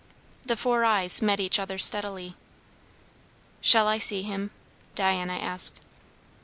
The four eyes met each other steadily. "Shall I see him?" Diana asked.